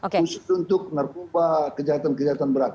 khusus untuk narkoba kejahatan kejahatan berat